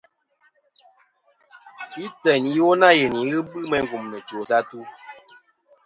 Yì teyn iwo nâ yenì , ghɨ bɨ meyn gumnɨ chwosɨ atu.